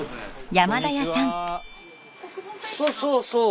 そうそうそう。